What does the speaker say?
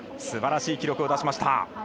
すばらしい記録を出しました。